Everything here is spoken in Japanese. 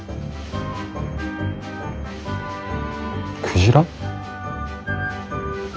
クジラ？